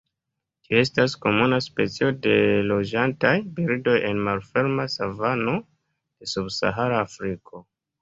Tiu estas komuna specio de loĝantaj birdoj en malferma savano de Subsahara Afriko.